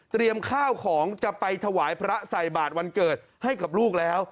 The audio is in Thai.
ข้าวของจะไปถวายพระใส่บาทวันเกิดให้กับลูกแล้ว